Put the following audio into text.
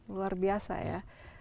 luar biasa ya